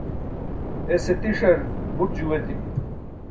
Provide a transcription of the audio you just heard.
ese tiṣar buṭ juu etimi